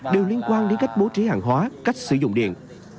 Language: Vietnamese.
đều liên quan đến cách bố trí hàng hóa cách sử dụng điện